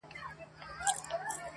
ارغنداو به غاړي غاړي را روان سي-